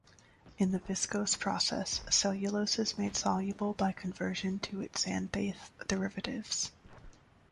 In the viscose process, cellulose is made soluble by conversion to its xanthate derivatives.